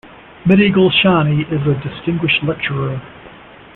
Mehdi Golshani is a distinguished lecturer.